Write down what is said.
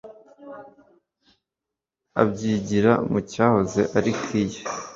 abyigira mu cyahoze ari kie